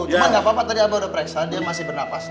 cuma gapapa tadi abang udah pereksa dia masih bernafas